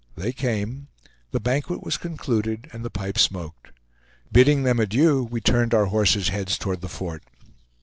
They came; the banquet was concluded, and the pipe smoked. Bidding them adieu, we turned our horses' heads toward the fort.